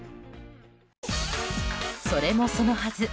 それもそのはず。